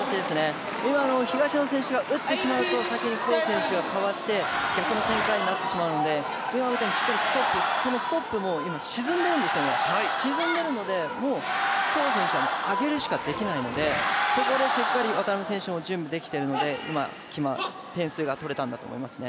今の東野選手が打ってしまうと先に黄選手がかわして逆の展開になってしまうので、今みたいにストップ、ストップも沈んでいるので、黄選手は上げるしかできないので、そこをしっかり渡辺選手も準備してるので今、点数が取れたんだと思いますね